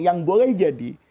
yang boleh jadi